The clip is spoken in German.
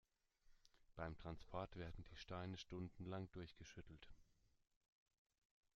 Beim Transport werden die Steine stundenlang durchgeschüttelt.